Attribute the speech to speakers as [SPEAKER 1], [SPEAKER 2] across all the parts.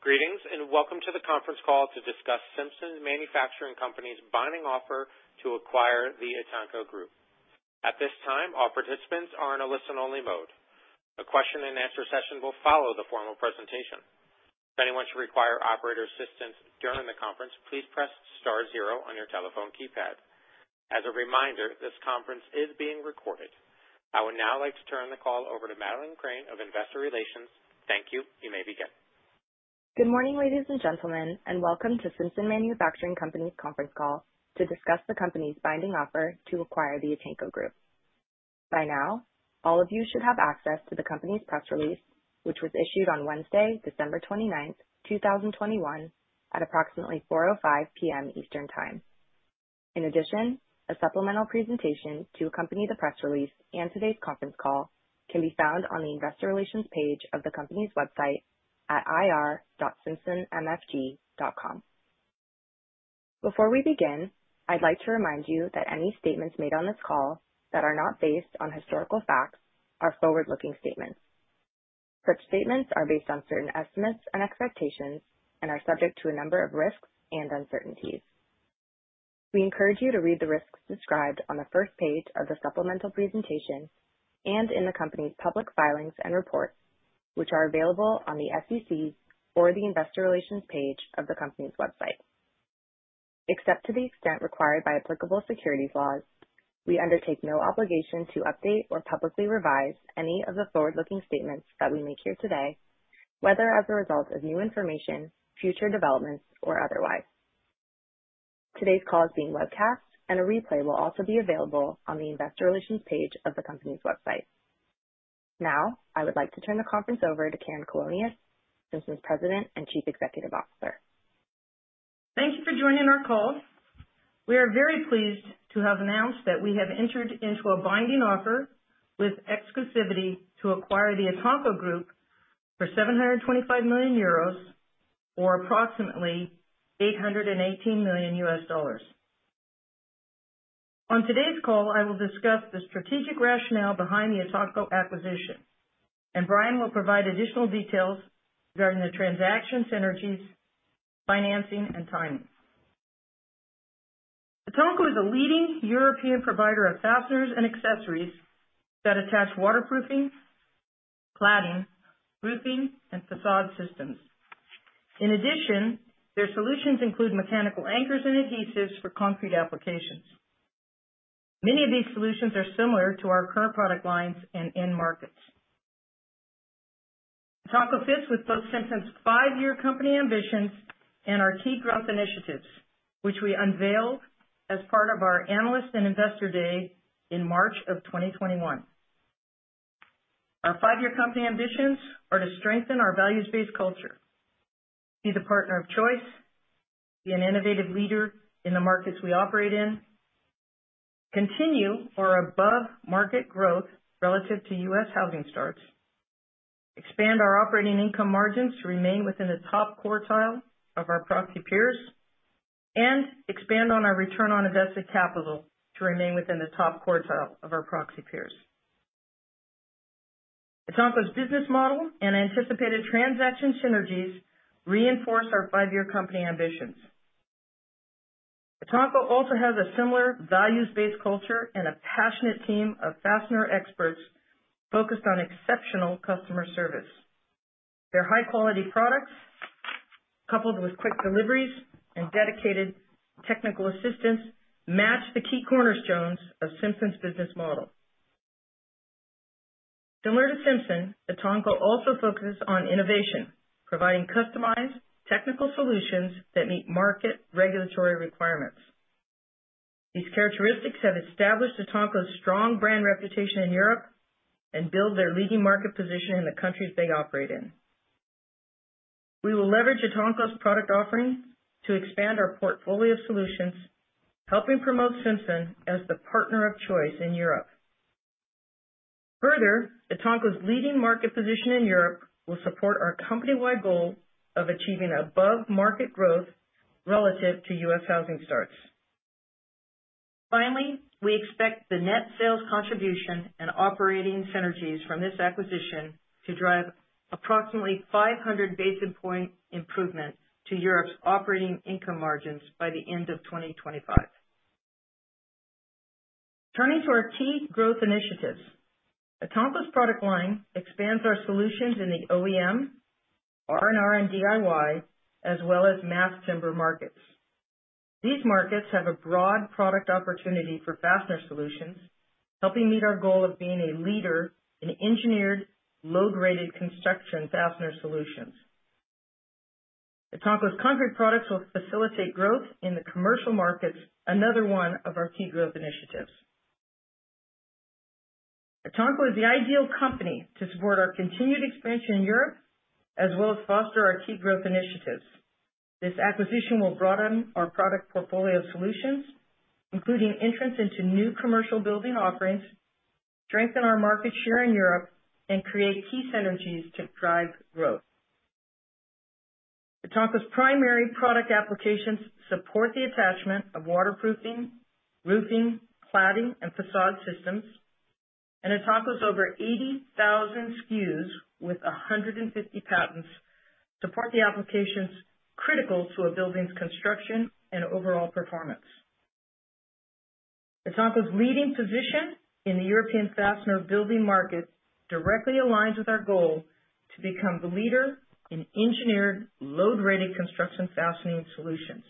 [SPEAKER 1] Greetings, and welcome to the conference call to discuss Simpson Manufacturing Co., Inc.'s binding offer to acquire the Etanco Group. At this time, all participants are in a listen-only mode. A question and answer session will follow the formal presentation. If anyone should require operator assistance during the conference, please press star zero on your telephone keypad. As a reminder, this conference is being recorded. I would now like to turn the call over to Kimberly Orlando of ADDO Investor Relations. Thank you. You may begin.
[SPEAKER 2] Good morning, ladies and gentlemen, and welcome to Simpson Manufacturing Company's conference call to discuss the company's binding offer to acquire the Etanco Group. By now, all of you should have access to the company's press release, which was issued on Wednesday, December 29, 2021, at approximately 4:05 P.M. Eastern Time. In addition, a supplemental presentation to accompany the press release and today's conference call can be found on the investor relations page of the company's website at ir.simpsonmfg.com. Before we begin, I'd like to remind you that any statements made on this call that are not based on historical facts are forward-looking statements. Such statements are based on certain estimates and expectations and are subject to a number of risks and uncertainties. We encourage you to read the risks described on the first page of the supplemental presentation and in the company's public filings and reports, which are available on the SEC or the investor relations page of the company's website. Except to the extent required by applicable securities laws, we undertake no obligation to update or publicly revise any of the forward-looking statements that we make here today, whether as a result of new information, future developments, or otherwise. Today's call is being webcast and a replay will also be available on the investor relations page of the company's website. Now, I would like to turn the conference over to Karen W. Colonias, Simpson's President and Chief Executive Officer.
[SPEAKER 3] Thank you for joining our call. We are very pleased to have announced that we have entered into a binding offer with exclusivity to acquire the Etanco Group for 725 million euros or approximately $818 million. On today's call, I will discuss the strategic rationale behind the Etanco acquisition, and Brian will provide additional details regarding the transaction synergies, financing, and timing. Etanco is a leading European provider of fasteners and accessories that attach waterproofing, cladding, roofing, and façade systems. In addition, their solutions include mechanical anchors and adhesives for concrete applications. Many of these solutions are similar to our current product lines and end markets. Etanco fits with both Simpson's five-year company ambitions and our key growth initiatives, which we unveiled as part of our Analyst and Investor Day in March of 2021. Our five-year company ambitions are to strengthen our values-based culture, be the partner of choice, be an innovative leader in the markets we operate in, continue or above market growth relative to U.S. housing starts, expand our operating income margins to remain within the top quartile of our proxy peers, and expand on our return on invested capital to remain within the top quartile of our proxy peers. Etanco's business model and anticipated transaction synergies reinforce our five-year company ambitions. Etanco also has a similar values-based culture and a passionate team of fastener experts focused on exceptional customer service. Their high-quality products, coupled with quick deliveries and dedicated technical assistance, match the key cornerstones of Simpson's business model. Similar to Simpson, Etanco also focuses on innovation, providing customized technical solutions that meet market regulatory requirements. These characteristics have established Etanco's strong brand reputation in Europe and built their leading market position in the countries they operate in. We will leverage Etanco's product offering to expand our portfolio solutions, helping promote Simpson as the partner of choice in Europe. Further, Etanco's leading market position in Europe will support our company-wide goal of achieving above-market growth relative to U.S. housing starts. Finally, we expect the net sales contribution and operating synergies from this acquisition to drive approximately 500 basis points improvement to Europe's operating income margins by the end of 2025. Turning to our key growth initiatives. Etanco's product line expands our solutions in the OEM, R&R, and DIY, as well as mass timber markets. These markets have a broad product opportunity for fastener solutions, helping meet our goal of being a leader in engineered, load-rated construction fastener solutions. Etanco's concrete products will facilitate growth in the commercial markets, another one of our key growth initiatives. Etanco is the ideal company to support our continued expansion in Europe as well as foster our key growth initiatives. This acquisition will broaden our product portfolio solutions, including entrance into new commercial building offerings, strengthen our market share in Europe, and create key synergies to drive growth. Etanco's primary product applications support the attachment of waterproofing, roofing, cladding, and facade systems. Etanco's over 80,000 SKUs with 150 patents support the applications critical to a building's construction and overall performance. Etanco's leading position in the European fastener building market directly aligns with our goal to become the leader in engineered load-rated construction fastening solutions.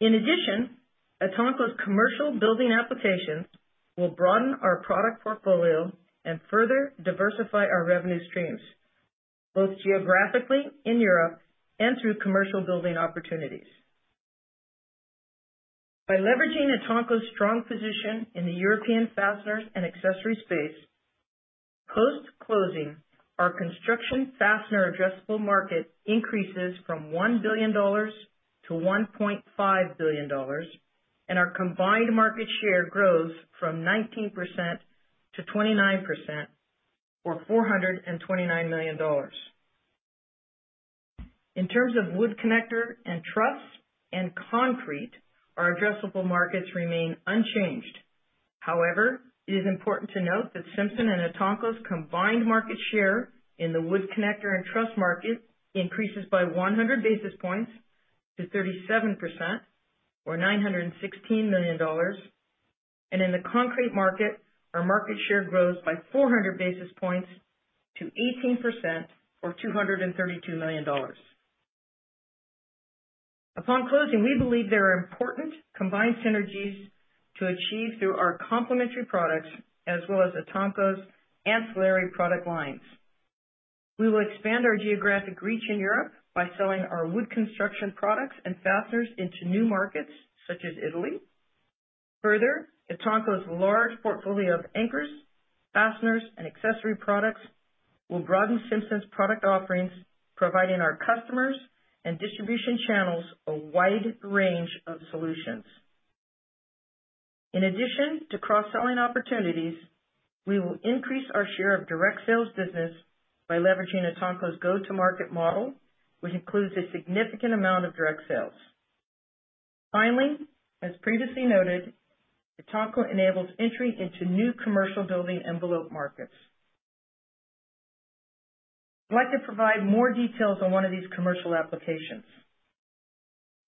[SPEAKER 3] In addition, Etanco's commercial building applications will broaden our product portfolio and further diversify our revenue streams, both geographically in Europe and through commercial building opportunities. By leveraging Etanco's strong position in the European fasteners and accessories space, post-closing, our construction fastener addressable market increases from $1 billion to $1.5 billion, and our combined market share grows from 19% to 29% or $429 million. In terms of wood connector and truss and concrete, our addressable markets remain unchanged. However, it is important to note that Simpson and Etanco's combined market share in the wood connector and truss market increases by 100 basis points to 37% or $916 million. In the concrete market, our market share grows by 400 basis points to 18% or $232 million. Upon closing, we believe there are important combined synergies to achieve through our complementary products as well as Etanco's ancillary product lines. We will expand our geographic reach in Europe by selling our wood construction products and fasteners into new markets such as Italy. Further, Etanco's large portfolio of anchors, fasteners, and accessory products will broaden Simpson's product offerings, providing our customers and distribution channels a wide range of solutions. In addition to cross-selling opportunities, we will increase our share of direct sales business by leveraging Etanco's go-to-market model, which includes a significant amount of direct sales. Finally, as previously noted, Etanco enables entry into new commercial building envelope markets. I'd like to provide more details on one of these commercial applications.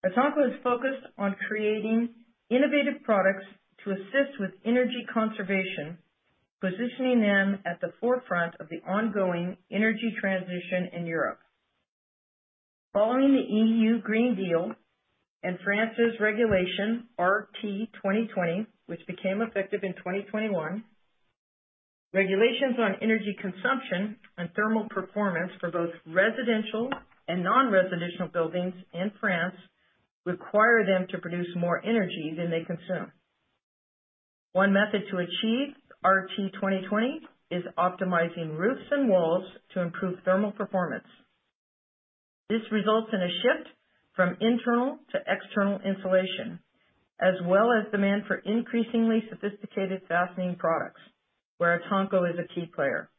[SPEAKER 3] Etanco is focused on creating innovative products to assist with energy conservation, positioning them at the forefront of the ongoing energy transition in Europe. Following the European Green Deal and France's regulation RE2020, which became effective in 2022, regulations on energy consumption and thermal performance for both residential and non-residential buildings in France require them to produce more energy than they consume. One method to achieve RE2020 is optimizing roofs and walls to improve thermal performance. This results in a shift from internal to external insulation, as well as demand for increasingly sophisticated fastening products, where Etanco is a key player.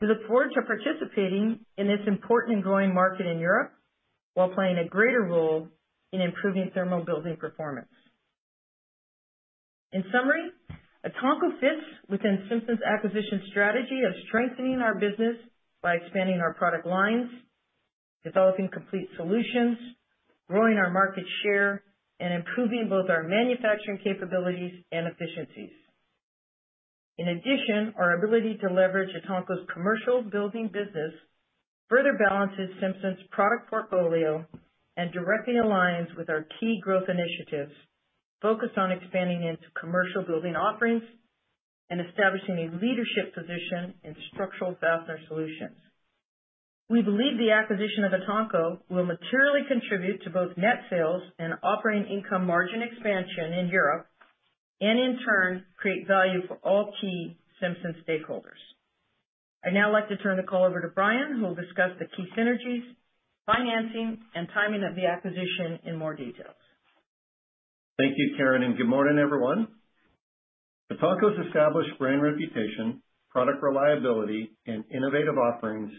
[SPEAKER 3] We look forward to participating in this important and growing market in Europe while playing a greater role in improving thermal building performance. In summary, Etanco fits within Simpson's acquisition strategy of strengthening our business by expanding our product lines, developing complete solutions, growing our market share, and improving both our manufacturing capabilities and efficiencies. In addition, our ability to leverage Etanco's commercial building business further balances Simpson's product portfolio and directly aligns with our key growth initiatives focused on expanding into commercial building offerings and establishing a leadership position in structural fastener solutions. We believe the acquisition of Etanco will materially contribute to both net sales and operating income margin expansion in Europe, and in turn, create value for all key Simpson stakeholders. I'd now like to turn the call over to Brian, who will discuss the key synergies, financing, and timing of the acquisition in more details.
[SPEAKER 4] Thank you, Karen, and good morning, everyone. Etanco's established brand reputation, product reliability, and innovative offerings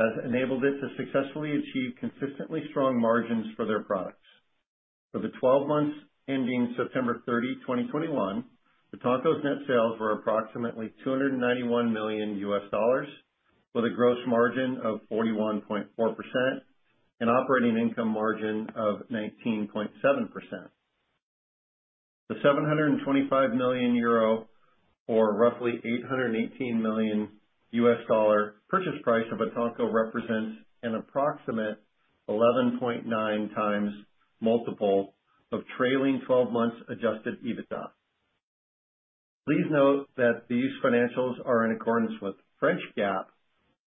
[SPEAKER 4] has enabled it to successfully achieve consistently strong margins for their products. For the 12 months ending September 30, 2021, Etanco's net sales were approximately $291 million, with a gross margin of 41.4% and operating income margin of 19.7%. The 725 million euro or roughly $818 million purchase price of Etanco represents an approximate 11.9x multiple of trailing 12 months adjusted EBITDA. Please note that these financials are in accordance with French GAAP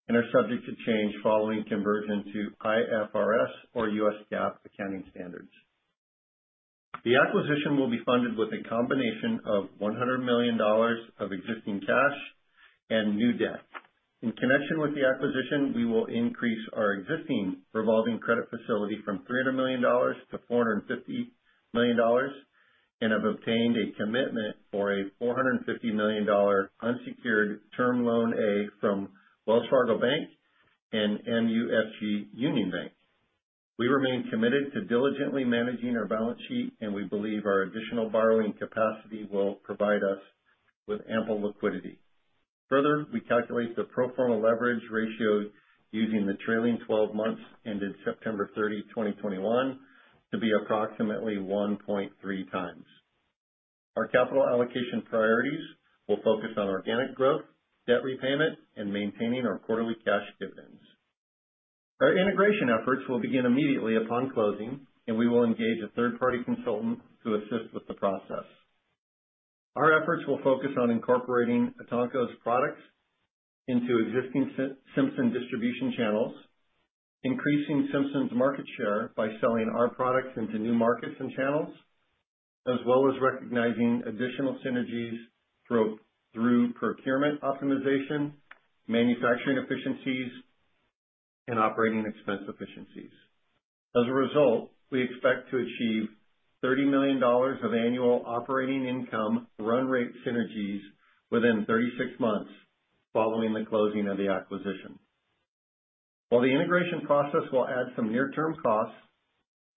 [SPEAKER 4] and are subject to change following conversion to IFRS or U.S. GAAP accounting standards. The acquisition will be funded with a combination of $100 million of existing cash and new debt. In connection with the acquisition, we will increase our existing revolving credit facility from $300 million to $450 million. We have obtained a commitment for a $450 million unsecured term loan A from Wells Fargo Bank and MUFG Union Bank. We remain committed to diligently managing our balance sheet, and we believe our additional borrowing capacity will provide us with ample liquidity. Further, we calculate the pro forma leverage ratio using the trailing 12 months ended September 30, 2021 to be approximately 1.3x. Our capital allocation priorities will focus on organic growth, debt repayment, and maintaining our quarterly cash dividends. Our integration efforts will begin immediately upon closing, and we will engage a third party consultant to assist with the process. Our efforts will focus on incorporating Etanco's products into existing Simpson distribution channels, increasing Simpson's market share by selling our products into new markets and channels, as well as recognizing additional synergies through procurement optimization, manufacturing efficiencies, and operating expense efficiencies. As a result, we expect to achieve $30 million of annual operating income run rate synergies within 36 months following the closing of the acquisition. While the integration process will add some near-term costs,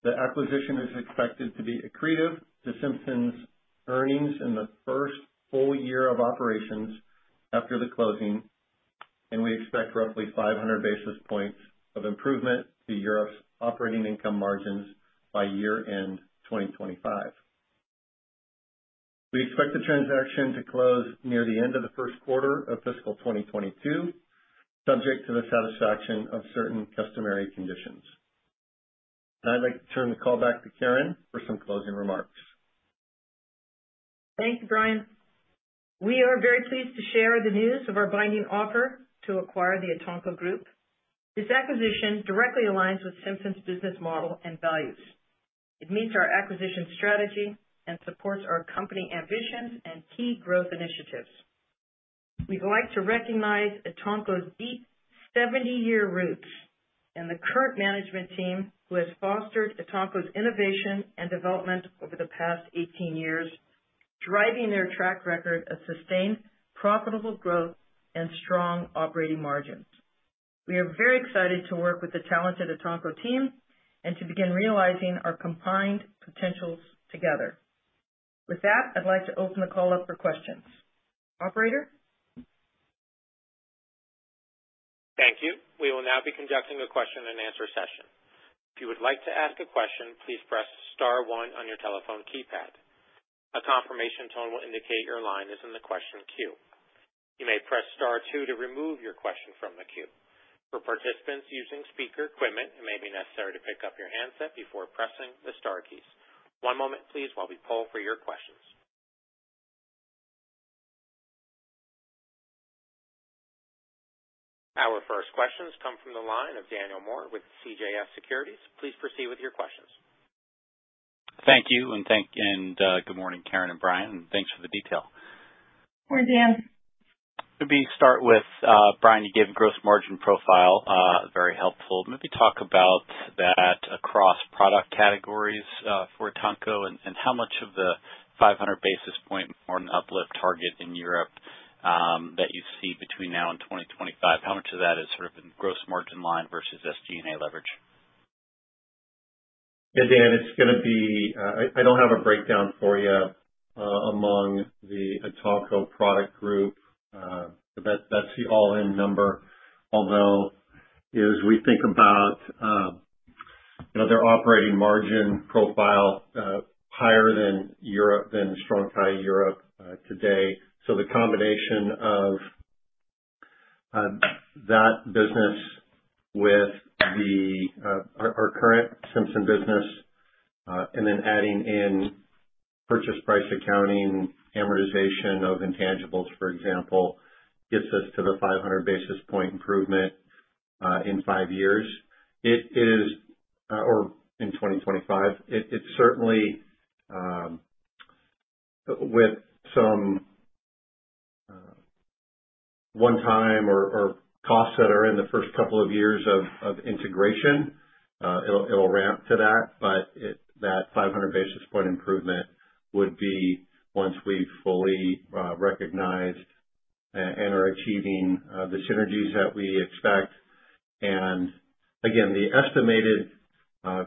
[SPEAKER 4] the acquisition is expected to be accretive to Simpson's earnings in the first full year of operations after the closing, and we expect roughly 500 basis points of improvement to Europe's operating income margins by year end 2025. We expect the transaction to close near the end of the first quarter of fiscal 2022, subject to the satisfaction of certain customary conditions. Now I'd like to turn the call back to Karen for some closing remarks.
[SPEAKER 3] Thank you, Brian. We are very pleased to share the news of our binding offer to acquire the Etanco Group. This acquisition directly aligns with Simpson's business model and values. It meets our acquisition strategy and supports our company ambitions and key growth initiatives. We'd like to recognize Etanco's deep 70-year roots and the current management team who has fostered Etanco's innovation and development over the past 18 years, driving their track record of sustained profitable growth and strong operating margins. We are very excited to work with the talented Etanco team and to begin realizing our combined potentials together. With that, I'd like to open the call up for questions. Operator?
[SPEAKER 1] Thank you. We will now be conducting a question and answer session. If you would like to ask a question, please press star one on your telephone keypad. A confirmation tone will indicate your line is in the question queue. You may press star two to remove your question from the queue. For participants using speaker equipment, it may be necessary to pick up your handset before pressing the star keys. One moment, please, while we poll for your questions. Our first questions come from the line of Daniel Joseph Moore with CJS Securities. Please proceed with your questions.
[SPEAKER 5] Thank you, and good morning, Karen and Brian. Thanks for the detail.
[SPEAKER 3] Morning, Daniel.
[SPEAKER 5] Maybe start with, Brian, you gave gross margin profile, very helpful. Maybe talk about that across product categories, for Etanco and how much of the 500 basis point on uplift target in Europe, that you see between now and 2025, how much of that is sort of in gross margin line versus SG&A leverage?
[SPEAKER 4] Yeah, Daniel, I don't have a breakdown for you among the Etanco product group. That's the all-in number. Although, you know, as we think about, you know, their operating margin profile higher than Europe, than Strong-Tie Europe, today. The combination of that business with our current Simpson business, and then adding in purchase price accounting, amortization of intangibles, for example, gets us to the 500 basis point improvement in five years. It is or in 2025. It certainly with some one-time or costs that are in the first couple of years of integration, it'll ramp to that, but that 500 basis point improvement would be once we fully recognize and are achieving the synergies that we expect. Again, the estimated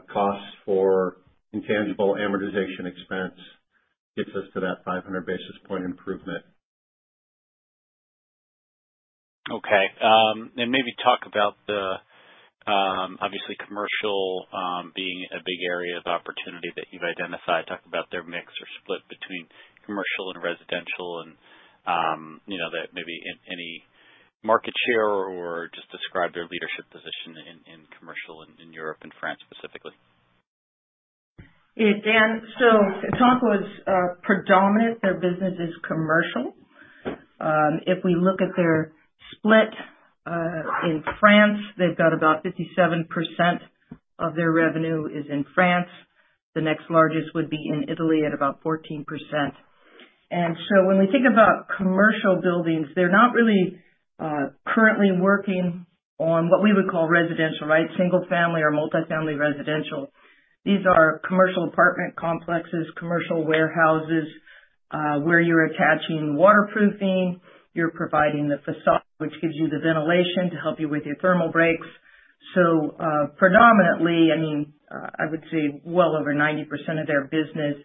[SPEAKER 4] costs for intangible amortization expense gets us to that 500 basis point improvement.
[SPEAKER 5] Okay. Maybe talk about the obviously commercial being a big area of opportunity that you've identified. Talk about their mix or split between commercial and residential and, you know, that maybe any market share or just describe their leadership position in commercial in Europe and France specifically.
[SPEAKER 3] Yeah, Daniel, Etanco is predominant. Their business is commercial. If we look at their split in France, they've got about 57% of their revenue is in France. The next largest would be in Italy at about 14%. When we think about commercial buildings, they're not really currently working on what we would call residential, right? Single-family or multi-family residential. These are commercial apartment complexes, commercial warehouses, where you're attaching waterproofing, you're providing the facade which gives you the ventilation to help you with your thermal breaks. Predominantly, I mean, I would say well over 90% of their business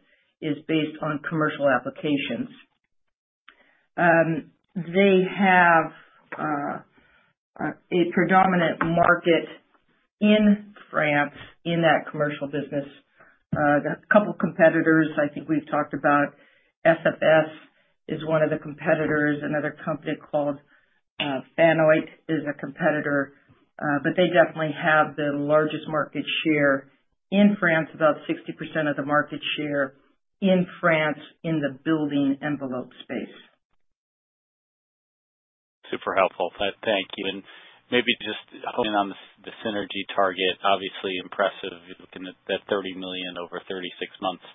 [SPEAKER 3] is based on commercial applications. They have a predominant market in France in that commercial business. They've a couple competitors. I think we've talked about SFS is one of the competitors. Another company called Fabory is a competitor. They definitely have the largest market share in France. About 60% of the market share in France in the building envelope space.
[SPEAKER 5] Super helpful. Thank you. Maybe just honing in on the synergy target, obviously impressive. You're looking at that $30 million over 36 months.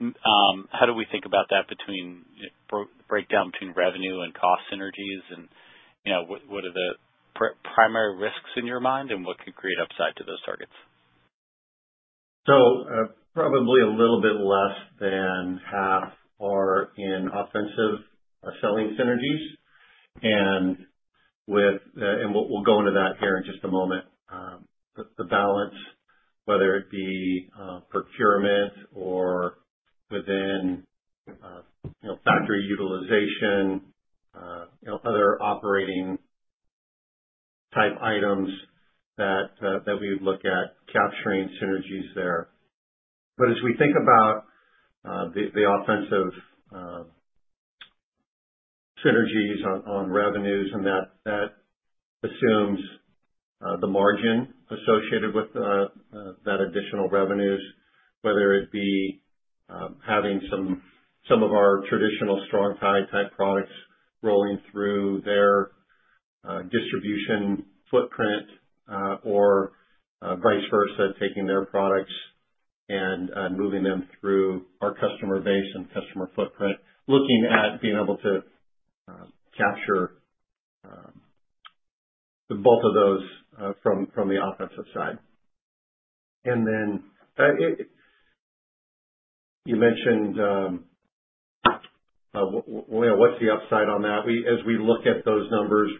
[SPEAKER 5] How do we think about that between, you know, breakdown between revenue and cost synergies? You know, what are the primary risks in your mind, and what could create upside to those targets?
[SPEAKER 4] Probably a little bit less than half are in offensive selling synergies. With and we'll go into that here in just a moment. The balance, whether it be procurement or within you know factory utilization you know other operating type items that we would look at capturing synergies there. As we think about the offensive synergies on revenues, and that assumes the margin associated with that additional revenues, whether it be having some of our traditional type products rolling through their distribution footprint or vice versa, taking their products and moving them through our customer base and customer footprint. Looking at being able to capture both of those from the offensive side. You mentioned, well, what's the upside on that? We, as we look at those numbers,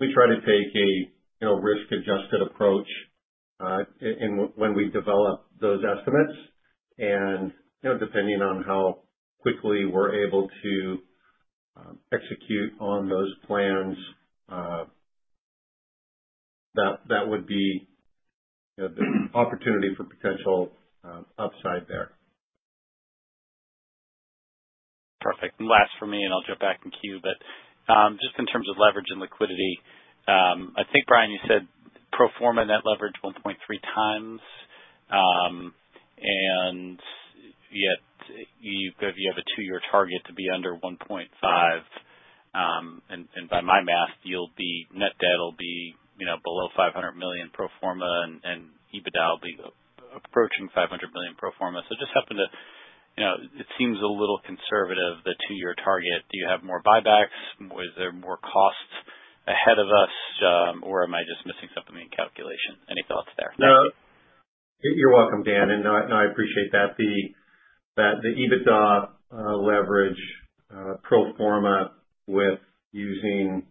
[SPEAKER 4] try to take a you know risk-adjusted approach in when we develop those estimates. You know, depending on how quickly we're able to execute on those plans, that would be you know opportunity for potential upside there.
[SPEAKER 5] Perfect. Last for me, and I'll jump back in queue. Just in terms of leverage and liquidity, I think, Brian, you said pro forma net leverage 1.3x. Yet you have a two-year target to be under 1.5x. By my math, net debt will be, you know, below $500 million pro forma and EBITDA will be approaching $500 million pro forma. It just happens to, you know, seem a little conservative, the two-year target. Do you have more buybacks? Is there more costs ahead of us? Or am I just missing something in calculation? Any thoughts there? Thank you.
[SPEAKER 4] No, you're welcome, Daniel, and I appreciate that. The EBITDA leverage pro forma with using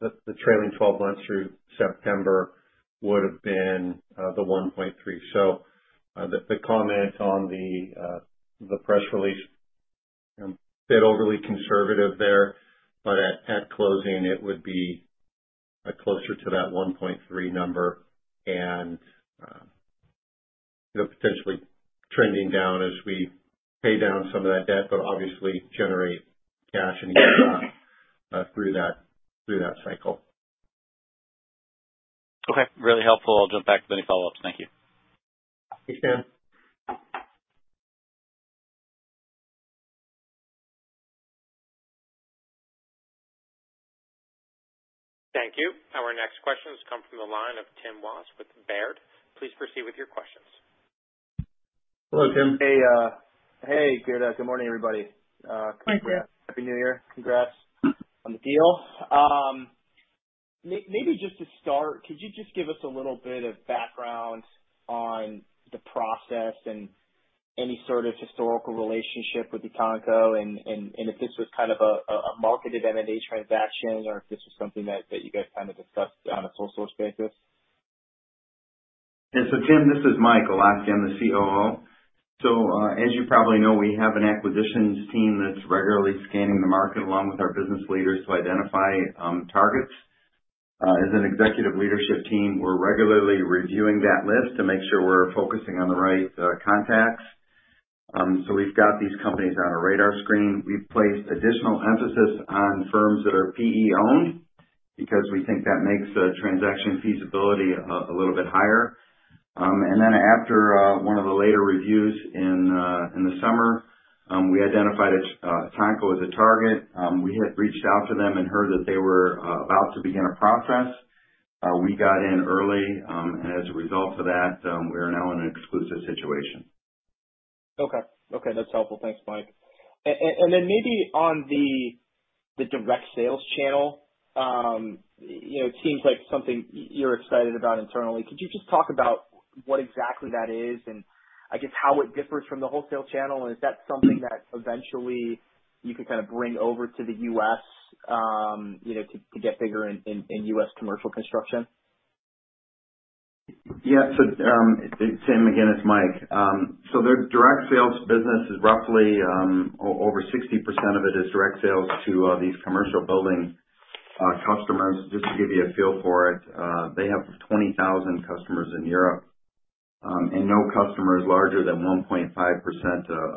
[SPEAKER 4] the trailing twelve months through September would have been the 1.3x. The comment on the press release bit overly conservative there, but at closing it would be closer to that 1.3x number and you know, potentially trending down as we pay down some of that debt, but obviously generate cash and EBITDA through that cycle.
[SPEAKER 5] Okay, really helpful. I'll jump back with any follow-ups. Thank you.
[SPEAKER 4] Thanks, Daniel.
[SPEAKER 1] Thank you. Our next question has come from the line of Timothy Ronald Wojs with Baird. Please proceed with your questions.
[SPEAKER 4] Hello, Tim.
[SPEAKER 6] Good morning, everybody.
[SPEAKER 4] Michael.
[SPEAKER 6] Congrats. Happy New Year. Congrats on the deal. Maybe just to start, could you just give us a little bit of background on the process and any sort of historical relationship with Etanco and if this was kind of a marketed M&A transaction or if this was something that you guys kind of discussed on a sole source basis?
[SPEAKER 7] Timothy, this is Mike Olosky, I'm the COO. As you probably know, we have an acquisitions team that's regularly scanning the market along with our business leaders to identify targets. As an executive leadership team, we're regularly reviewing that list to make sure we're focusing on the right contacts. We've got these companies on our radar screen. We've placed additional emphasis on firms that are PE-owned because we think that makes the transaction feasibility a little bit higher. After one of the later reviews in the summer, we identified Etanco as a target. We had reached out to them and heard that they were about to begin a process. We got in early, and as a result of that, we are now in an exclusive situation.
[SPEAKER 6] Okay. Okay, that's helpful. Thanks, Mike. Then maybe on the direct sales channel, you know, it seems like something you're excited about internally. Could you just talk about what exactly that is and I guess how it differs from the wholesale channel? Is that something that eventually you could kind of bring over to the U.S., you know, to get bigger in U.S. commercial construction?
[SPEAKER 7] Timothy, again, it's Mike. Their direct sales business is roughly over 60% of it is direct sales to these commercial building customers. Just to give you a feel for it, they have 20,000 customers in Europe, and no customer is larger than 1.5%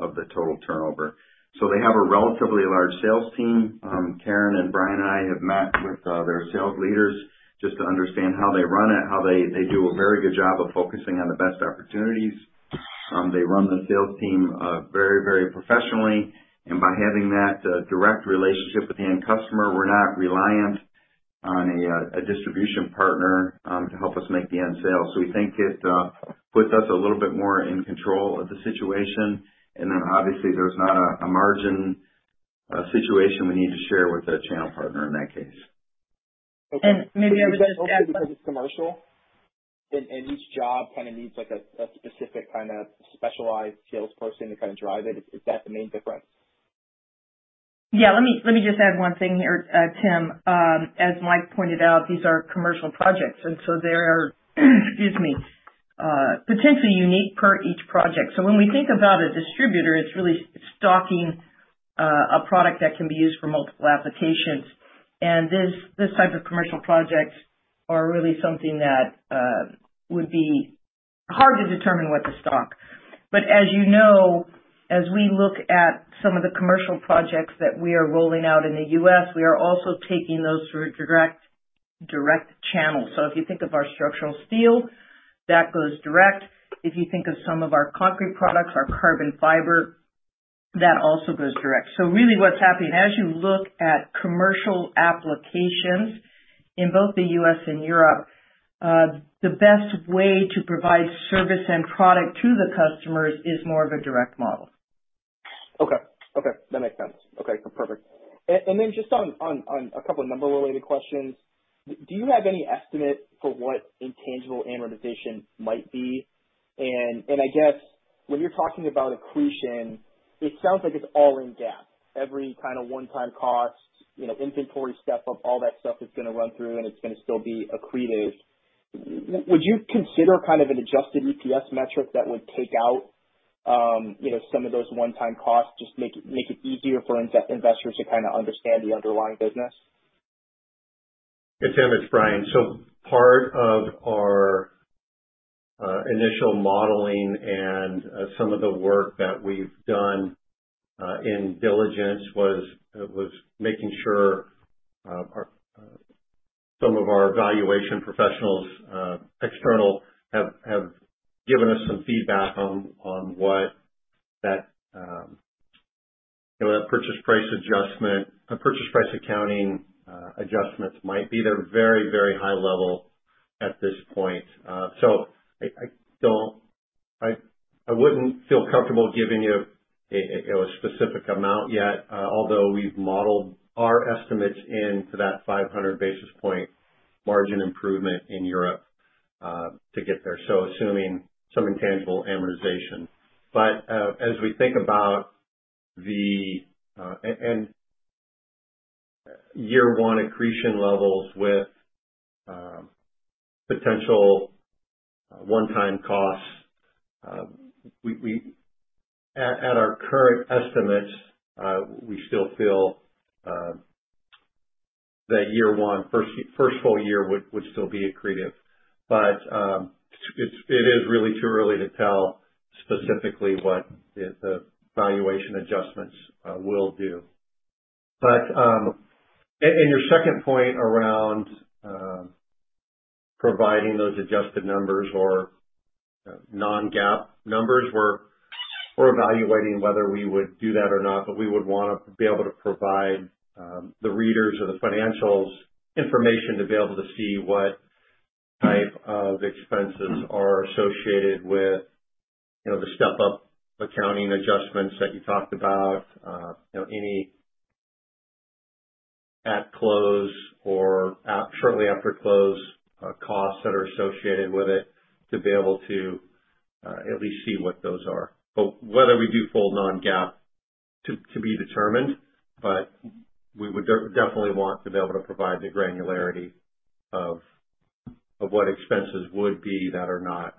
[SPEAKER 7] of the total turnover. They have a relatively large sales team. Karen and Brian and I have met with their sales leaders just to understand how they run it, how they do a very good job of focusing on the best opportunities. They run the sales team very, very professionally. By having that direct relationship with the end customer, we're not reliant on a distribution partner to help us make the end sale. We think it puts us a little bit more in control of the situation. Obviously, there's not a margin situation we need to share with a channel partner in that case.
[SPEAKER 6] Okay.
[SPEAKER 3] Maybe I would just add.
[SPEAKER 6] Is that mostly because it's commercial and each job kind of needs like a specific kind of specialized sales person to kind of drive it? Is that the main difference?
[SPEAKER 3] Yeah. Let me just add one thing here, Timothy. As Mike pointed out, these are commercial projects and so they are potentially unique per each project. When we think about a distributor, it's really stocking a product that can be used for multiple applications. This type of commercial projects are really something that would be hard to determine what to stock. As you know, as we look at some of the commercial projects that we are rolling out in the U.S., we are also taking those through direct channels. If you think of our structural steel, that goes direct. If you think of some of our concrete products, our carbon fiber, that also goes direct. Really what's happening, as you look at commercial applications in both the U.S. and Europe, the best way to provide service and product to the customers is more of a direct model.
[SPEAKER 6] Okay. Okay, that makes sense. Okay, perfect. Then just on a couple of number related questions. Do you have any estimate for what intangible amortization might be? I guess when you're talking about accretion, it sounds like it's all in GAAP. Every kind of one-time cost, you know, inventory step up, all that stuff is gonna run through and it's gonna still be accretive. Would you consider kind of an adjusted EPS metric that would take out, you know, some of those one-time costs, just make it easier for investors to kind of understand the underlying business?
[SPEAKER 4] It's Timothy, it's Brian. Part of our initial modeling and some of the work that we've done in diligence was making sure some of our valuation professionals external have given us some feedback on what that you know purchase price adjustment or purchase price accounting adjustments might be. They're very high level at this point. I don't I wouldn't feel comfortable giving you a specific amount yet although we've modeled our estimates in to that 500 basis point margin improvement in Europe to get there so assuming some intangible amortization. As we think about the year one accretion levels with potential one-time costs, we at our current estimates we still feel that year one first full year would still be accretive. It is really too early to tell specifically what the valuation adjustments will do. Your second point around providing those adjusted numbers or non-GAAP numbers, we're evaluating whether we would do that or not, but we would wanna be able to provide the readers of the financial information to be able to see what type of expenses are associated with, you know, the step-up accounting adjustments that you talked about, you know, any at close or out shortly after close, costs that are associated with it to be able to at least see what those are. Whether we do full non-GAAP to be determined, but we would definitely want to be able to provide the granularity of what expenses would be that are not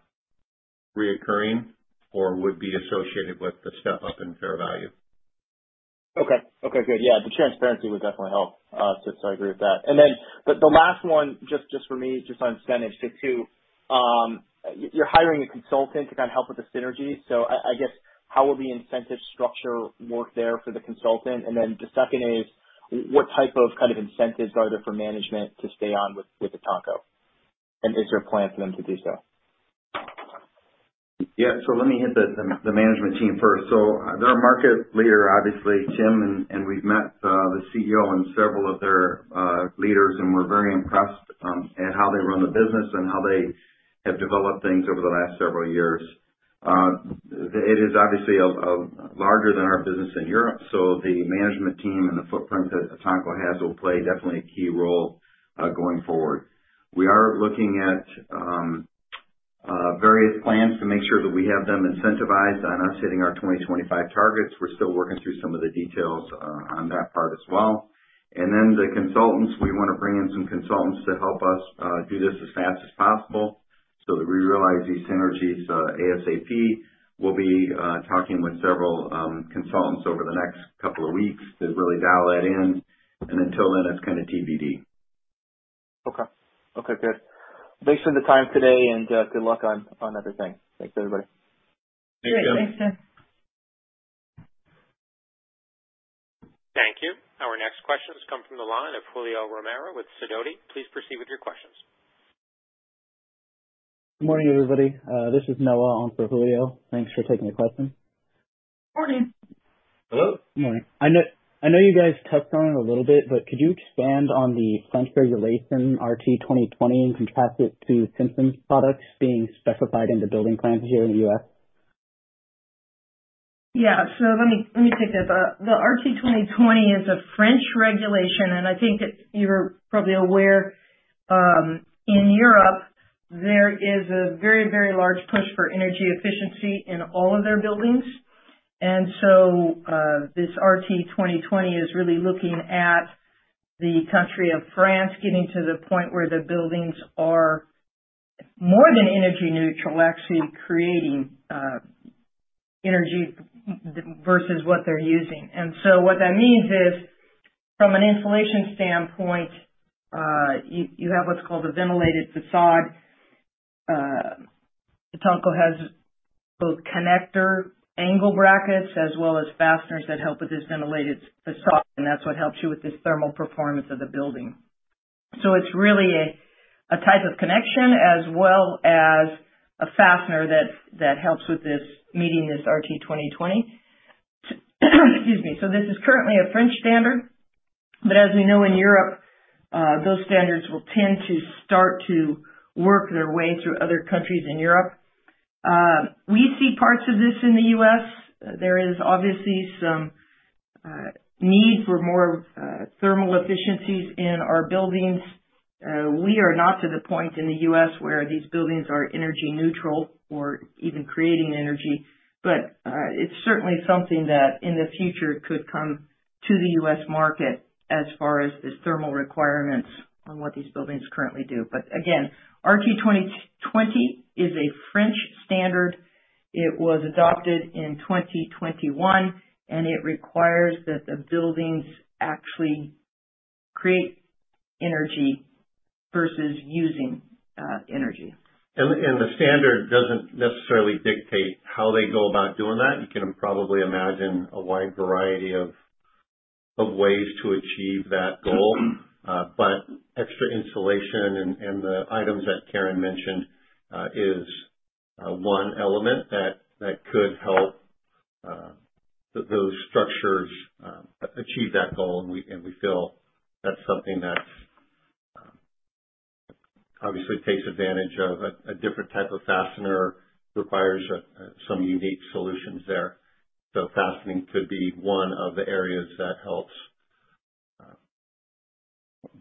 [SPEAKER 4] recurring or would be associated with the step-up in fair value.
[SPEAKER 6] Okay. Okay, good. Yeah, the transparency would definitely help. I agree with that. The last one, just for me, just on incentives, just two. You're hiring a consultant to kind of help with the synergy. I guess how will the incentive structure work there for the consultant? The second is what type of kind of incentives are there for management to stay on with Etanco? Is there a plan for them to do so?
[SPEAKER 7] Yeah. Let me hit the management team first. They're a market leader, obviously, Jim, and we've met the CEO and several of their leaders, and we're very impressed at how they run the business and how they have developed things over the last several years. It is obviously larger than our business in Europe, so the management team and the footprint that Etanco has will play definitely a key role going forward. We are looking at various plans to make sure that we have them incentivized on us hitting our 2025 targets. We're still working through some of the details on that part as well. Then the consultants, we wanna bring in some consultants to help us do this as fast as possible so that we realize these synergies ASAP.
[SPEAKER 4] We'll be talking with several consultants over the next couple of weeks to really dial that in. Until then, it's kinda TBD.
[SPEAKER 6] Okay. Okay, good. Thanks for the time today, and good luck on everything. Thanks, everybody.
[SPEAKER 4] Thank you.
[SPEAKER 3] Great. Thanks, Timothy.
[SPEAKER 1] Thank you. Our next question has come from the line of Julio Romero with Sidoti. Please proceed with your questions.
[SPEAKER 8] Good morning, everybody. This is Noah on for Julio. Thanks for taking the question.
[SPEAKER 3] Morning.
[SPEAKER 4] Hello.
[SPEAKER 8] Good morning. I know, I know you guys touched on it a little bit, but could you expand on the French regulation RE2020 and contrast it to Simpson's products being specified in the building plans here in the U.S.?
[SPEAKER 3] Let me take that. The RE 2020 is a French regulation, and I think that you're probably aware, in Europe there is a very large push for energy efficiency in all of their buildings. This RE 2020 is really looking at the country of France getting to the point where the buildings are more than energy neutral, actually creating energy versus what they're using. What that means is, from an insulation standpoint, you have what's called a ventilated façade. Etanco has both connector angle brackets as well as fasteners that help with this ventilated façade, and that's what helps you with this thermal performance of the building. It's really a type of connection as well as a fastener that helps with meeting this RE 2020. Excuse me. This is currently a French standard, but as we know in Europe, those standards will tend to start to work their way through other countries in Europe. We see parts of this in the U.S. There is obviously some need for more thermal efficiencies in our buildings. We are not to the point in the U.S. where these buildings are energy neutral or even creating energy, but it's certainly something that in the future could come to the U.S. market as far as the thermal requirements on what these buildings currently do. Again, RE2020 is a French standard. It was adopted in 2021, and it requires that the buildings actually create energy versus using energy.
[SPEAKER 4] The standard doesn't necessarily dictate how they go about doing that. You can probably imagine a wide variety of ways to achieve that goal. Extra insulation and the items that Karen mentioned is one element that could help those structures achieve that goal. We feel that's something that obviously takes advantage of a different type of fastener, requires some unique solutions there. Fastening could be one of the areas that helps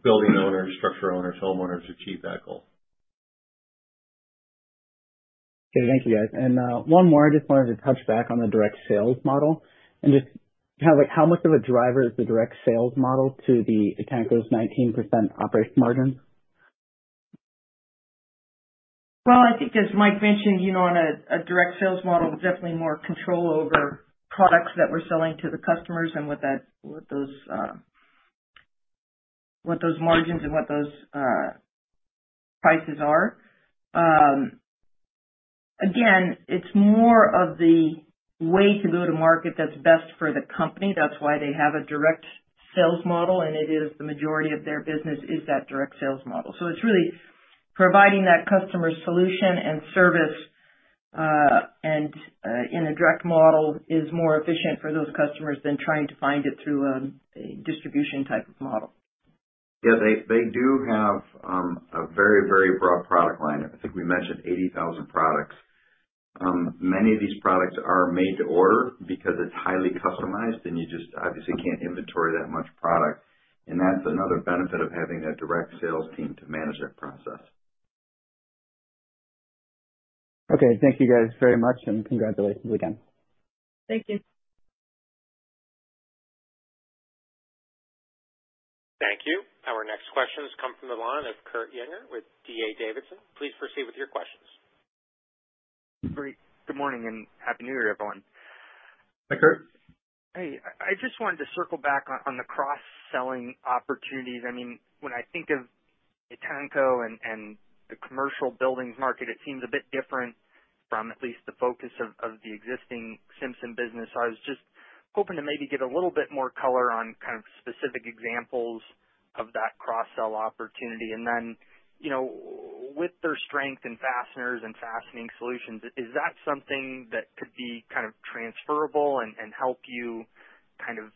[SPEAKER 4] building owners, structure owners, homeowners achieve that goal.
[SPEAKER 8] Okay. Thank you, guys. One more. I just wanted to touch back on the direct sales model and just kind of like how much of a driver is the direct sales model to the Etanco's 19% operating margin?
[SPEAKER 3] Well, I think as Mike mentioned, you know, on a direct sales model, definitely more control over products that we're selling to the customers and what those margins and what those prices are. Again, it's more of the way to go to market that's best for the company. That's why they have a direct sales model, and it is the majority of their business is that direct sales model. It's really providing that customer solution and service, and in a direct model is more efficient for those customers than trying to find it through a distribution type of model.
[SPEAKER 4] Yeah. They do have a very broad product lineup. I think we mentioned 80,000 products. Many of these products are made to order because it's highly customized, and you just obviously can't inventory that much product. That's another benefit of having that direct sales team to manage that process.
[SPEAKER 8] Okay. Thank you guys very much, and congratulations again.
[SPEAKER 3] Thank you.
[SPEAKER 1] Thank you. Our next question has come from the line of Kurt Willem Yinger with D.A. Davidson. Please proceed with your questions.
[SPEAKER 9] Great. Good morning, and happy new year, everyone.
[SPEAKER 4] Hi, Kurt.
[SPEAKER 9] Hey. I just wanted to circle back on the cross-selling opportunities. I mean, when I think of Etanco and the commercial buildings market, it seems a bit different from at least the focus of the existing Simpson business. I was just hoping to maybe get a little bit more color on kind of specific examples of that cross-sell opportunity. You know, with their strength in fasteners and fastening solutions, is that something that could be kind of transferable and help you kind of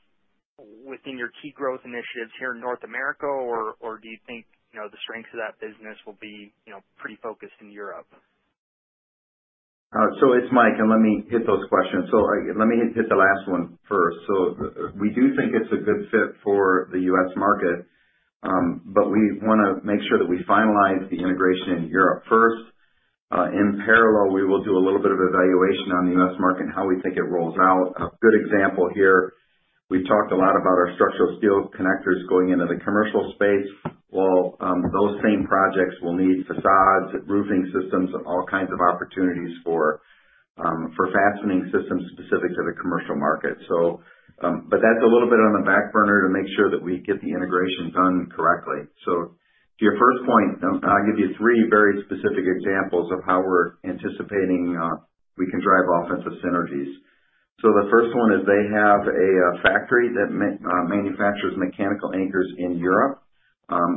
[SPEAKER 9] within your key growth initiatives here in North America? Or do you think, you know, the strength of that business will be, you know, pretty focused in Europe?
[SPEAKER 7] It's Mike, and let me hit those questions. Let me hit the last one first. We do think it's a good fit for the U.S. market, but we wanna make sure that we finalize the integration in Europe first. In parallel, we will do a little bit of evaluation on the U.S. market and how we think it rolls out. A good example here, we talked a lot about our structural steel connectors going into the commercial space. Well, those same projects will need facades, roofing systems, all kinds of opportunities for fastening systems specific to the commercial market. But that's a little bit on the back burner to make sure that we get the integration done correctly. To your first point, I'll give you three very specific examples of how we're anticipating we can drive offensive synergies. The first one is they have a factory that manufacturers mechanical anchors in Europe.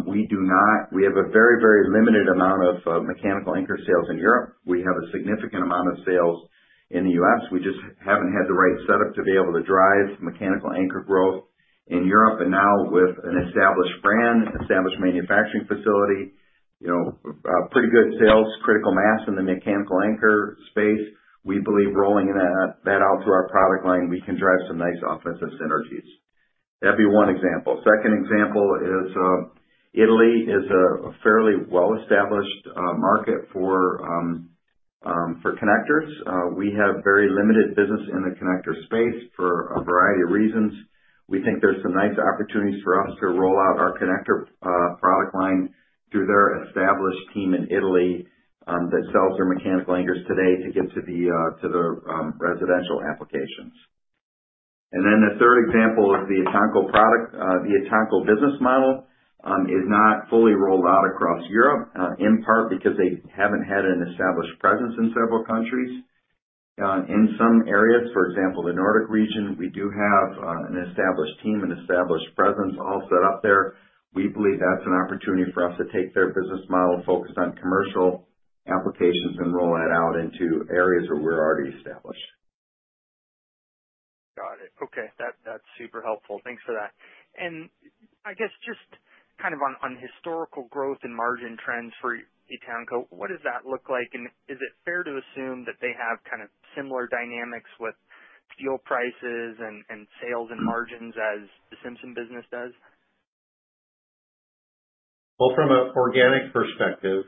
[SPEAKER 7] We do not. We have a very limited amount of mechanical anchor sales in Europe. We have a significant amount of sales in the U.S. We just haven't had the right setup to be able to drive mechanical anchor growth in Europe. Now with an established brand, established manufacturing facility, you know, pretty good sales, critical mass in the mechanical anchor space, we believe rolling that out through our product line, we can drive some nice offensive synergies. That'd be one example. Second example is Italy is a fairly well-established market for connectors. We have very limited business in the connector space for a variety of reasons. We think there's some nice opportunities for us to roll out our connector product line through their established team in Italy that sells their mechanical anchors today to get to the residential applications. Then the third example is the Etanco product. The Etanco business model is not fully rolled out across Europe in part because they haven't had an established presence in several countries. In some areas, for example, the Nordic region, we do have an established team and established presence all set up there. We believe that's an opportunity for us to take their business model, focus on commercial applications and roll that out into areas where we're already established.
[SPEAKER 9] Got it. Okay. That's super helpful. Thanks for that. I guess just kind of on historical growth and margin trends for Etanco, what does that look like? Is it fair to assume that they have kind of similar dynamics with steel prices and sales and margins as the Simpson business does?
[SPEAKER 4] Well, from an organic perspective,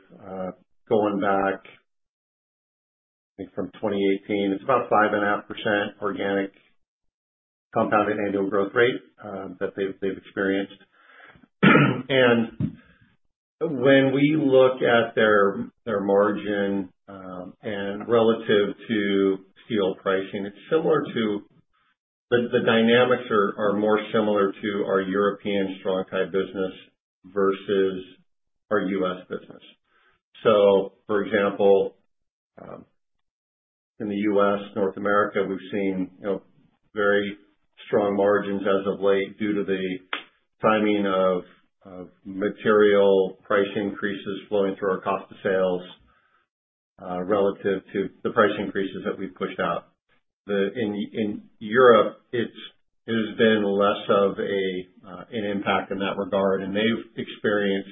[SPEAKER 4] going back, I think from 2018, it's about 5.5% organic compounded annual growth rate that they've experienced. When we look at their margin and relative to steel pricing, it's similar to the dynamics are more similar to our European Strong-Tie business versus our U.S. business. For example, in the U.S., North America, we've seen, you know, very strong margins as of late due to the timing of material price increases flowing through our cost of sales relative to the price increases that we've pushed out. In Europe, it's has been less of an impact in that regard, and they've experienced,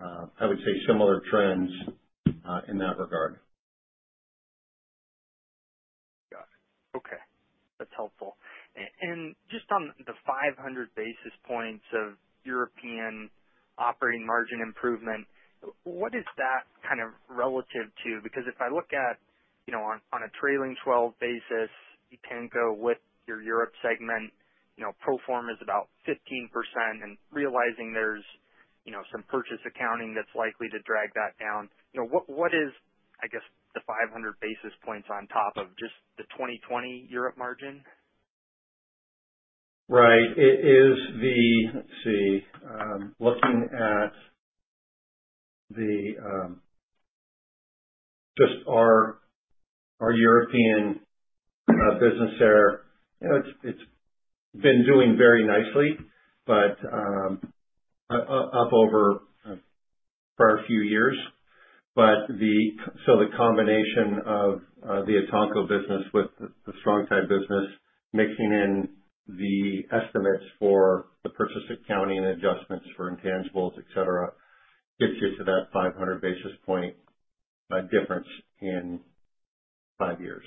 [SPEAKER 4] I would say, similar trends in that regard.
[SPEAKER 9] Got it. Okay. That's helpful. And just on the 500 basis points of European operating margin improvement, what is that kind of relative to? Because if I look at, you know, on a trailing 12 basis, Etanco with your Europe segment, you know, pro forma is about 15% and realizing there's, you know, some purchase accounting that's likely to drag that down. You know, what is, I guess, the 500 basis points on top of just the 2020 Europe margin?
[SPEAKER 4] Looking at just our European business there. You know, it's been doing very nicely, but upward for a few years. The combination of the Etanco business with the Strong-Tie business, mixing in the estimates for the purchase accounting and adjustments for intangibles, etc, gets you to that 500 basis point difference in five years.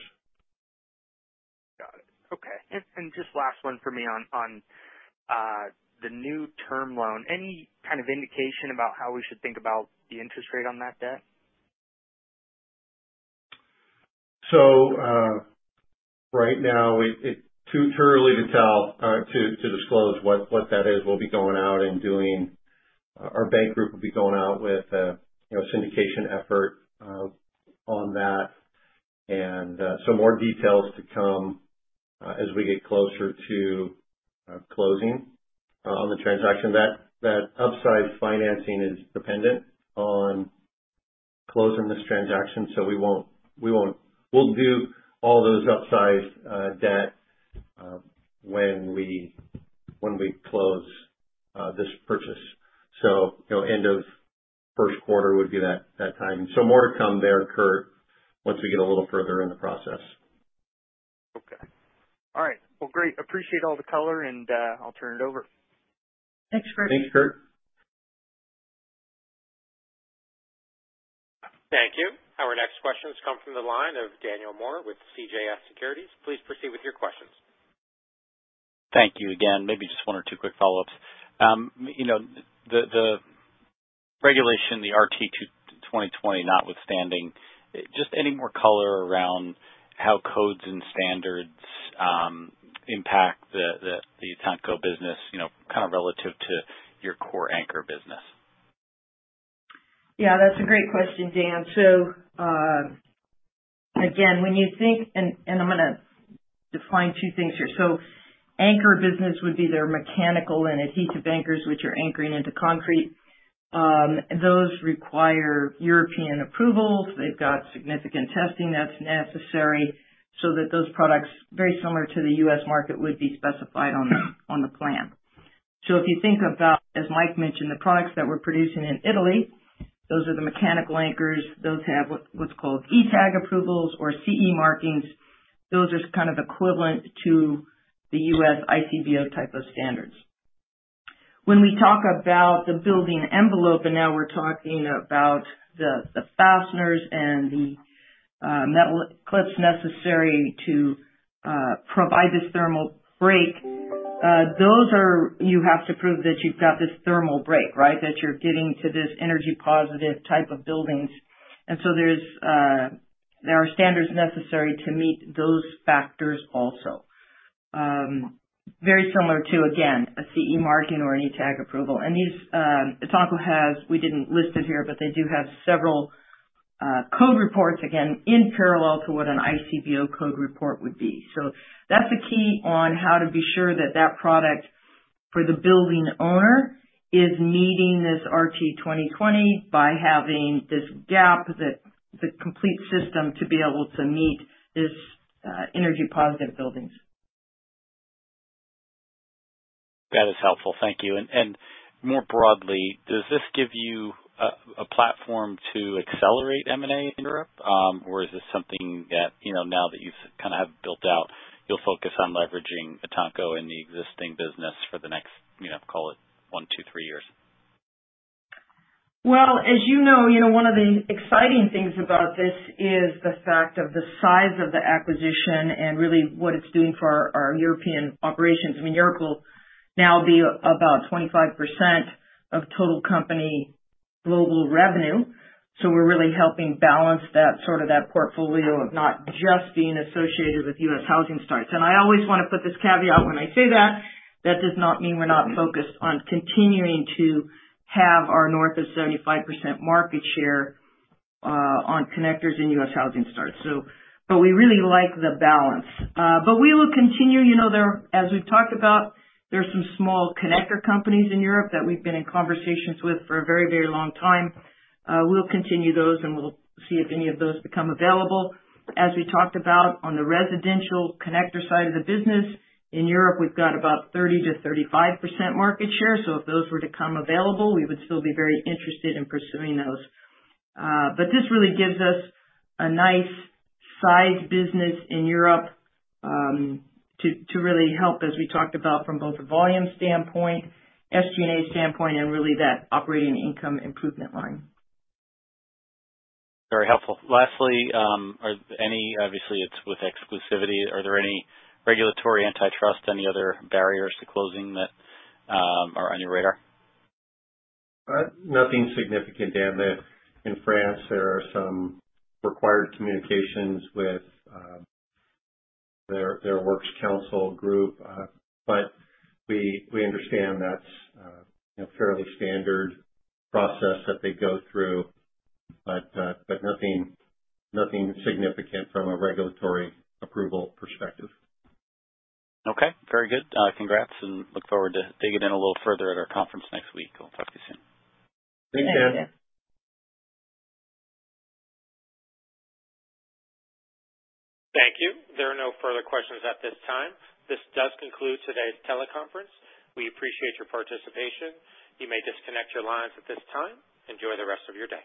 [SPEAKER 9] Got it. Okay. Just last one for me on the new term loan. Any kind of indication about how we should think about the interest rate on that debt?
[SPEAKER 4] Right now it's too early to tell to disclose what that is. We'll be going out. Our bank group will be going out with a syndication effort, you know, on that, and some more details to come as we get closer to closing on the transaction. That upsize financing is dependent on closing this transaction, so we won't. We'll do all those upsize debt when we close this purchase. You know, end of first quarter would be that time. More to come there, Kurt, once we get a little further in the process.
[SPEAKER 9] Okay. All right. Well, great. Appreciate all the color, and I'll turn it over.
[SPEAKER 3] Thanks, Kurt.
[SPEAKER 4] Thanks, Kurt.
[SPEAKER 1] Thank you. Our next questions come from the line of Daniel Joseph Moore with CJS Securities. Please proceed with your questions.
[SPEAKER 5] Thank you again. Maybe just one or two quick follow-ups. You know, the regulation, the RE2020 notwithstanding, just any more color around how codes and standards impact the Etanco business, you know, kind of relative to your core anchor business.
[SPEAKER 3] Yeah, that's a great question, Daniel. Again, when you think, and I'm gonna define two things here. Anchor business would be their mechanical and adhesive anchors, which are anchoring into concrete. Those require European approvals. They've got significant testing that's necessary so that those products, very similar to the U.S. market, would be specified on the plan. If you think about, as Mike mentioned, the products that we're producing in Italy, those are the mechanical anchors. Those have what's called ETA approvals or CE markings. Those are kind of equivalent to the U.S. ICBO type of standards. When we talk about the building envelope, and now we're talking about the fasteners and the metal clips necessary to provide this thermal break, those are. You have to prove that you've got this thermal break, right? That you're getting to this energy positive type of buildings. There are standards necessary to meet those factors also. Very similar to, again, a CE marking or an ETA approval. Etanco has, we didn't list it here, but they do have several code reports, again, in parallel to what an ICBO code report would be. That's the key on how to be sure that product for the building owner is meeting this RE 2020 by having this ETA that the complete system to be able to meet this energy positive buildings.
[SPEAKER 5] That is helpful. Thank you. More broadly, does this give you a platform to accelerate M&A in Europe? Or is this something that, you know, now that you kind of have built out, you'll focus on leveraging Etanco in the existing business for the next, you know, call it one, two, three years?
[SPEAKER 3] Well, as you know, one of the exciting things about this is the fact of the size of the acquisition and really what it's doing for our European operations. I mean, Europe will now be about 25% of total company global revenue. We're really helping balance that sort of portfolio of not just being associated with U.S. housing starts. I always wanna put this caveat when I say that does not mean we're not focused on continuing to have our north of 75% market share on connectors in U.S. housing starts. We really like the balance. We will continue. You know, as we've talked about, there's some small connector companies in Europe that we've been in conversations with for a very, very long time. We'll continue those, and we'll see if any of those become available. As we talked about on the residential connector side of the business, in Europe, we've got about 30%-35% market share. If those were to come available, we would still be very interested in pursuing those. This really gives us a nice-sized business in Europe, to really help, as we talked about from both a volume standpoint, SG&A standpoint, and really that operating income improvement line.
[SPEAKER 5] Very helpful. Lastly, obviously, it's with exclusivity, are there any regulatory antitrust, any other barriers to closing that are on your radar?
[SPEAKER 4] Nothing significant, Daniel. In France, there are some required communications with their works council group. We understand that's a fairly standard process that they go through. Nothing significant from a regulatory approval perspective.
[SPEAKER 5] Okay. Very good. Congrats, and look forward to digging in a little further at our conference next week. We'll talk to you soon.
[SPEAKER 4] Thank you.
[SPEAKER 3] Thank you.
[SPEAKER 1] Thank you. There are no further questions at this time. This does conclude today's teleconference. We appreciate your participation. You may disconnect your lines at this time. Enjoy the rest of your day.